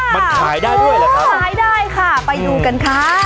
มันขายได้ด้วยเหรอครับขายได้ค่ะไปดูกันค่ะ